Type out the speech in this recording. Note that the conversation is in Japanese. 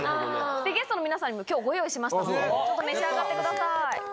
ゲストの皆さんにも今日ご用意しましたので召し上がってください。